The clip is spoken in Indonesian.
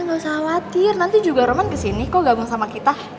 gak usah khawatir nanti juga roman kesini kok gabung sama kita